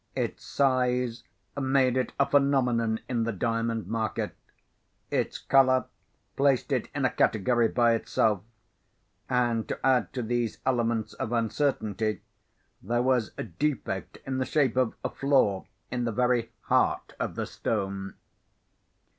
Its size made it a phenomenon in the diamond market; its colour placed it in a category by itself; and, to add to these elements of uncertainty, there was a defect, in the shape of a flaw, in the very heart of the stone.